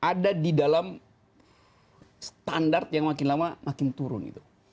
ada di dalam standar yang makin lama makin turun gitu